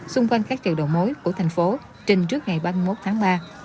xung quanh các chợ đầu mối của thành phố trình trước ngày ba mươi một tháng ba